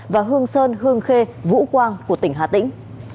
và hương sơn hương khê vũ quang của tỉnh hà tĩnh